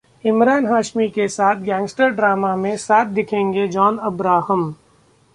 इमरान हाशमी के साथ gangster drama में साथ दिखेंगे जॉन अब्राहम